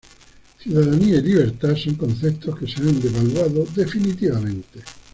Ciudadanía y libertad son conceptos que se han devaluado definitivamente.